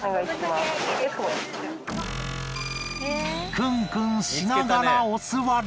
クンクンしながらおすわり。